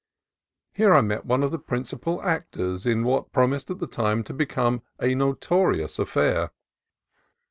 Here I met one of the principal actors in what promised at the time to become a notorious affair.